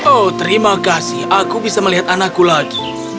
oh terima kasih aku bisa melihat anakku lagi